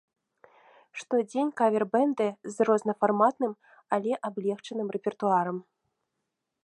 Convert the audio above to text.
Штодзень кавер-бэнды з рознафарматным, але аблегчаным рэпертуарам.